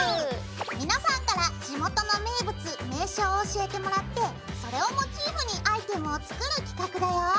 皆さんから地元の名物名所を教えてもらってそれをモチーフにアイテムを作る企画だよ！